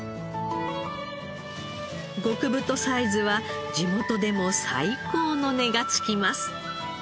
極太サイズは地元でも最高の値がつきます。